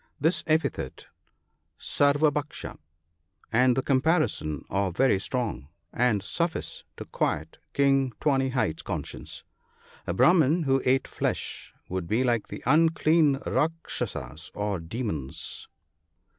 — This epithet, " sar wabha&sha" and the comparison, are very strong, and suffice to 1 56 NOTES. quiet King Tawny hide's conscience. A Brahman who ate flesh would be like the unclean " Kdkshasas" or demons.